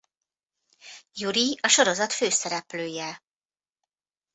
Yurie a sorozat főszereplője.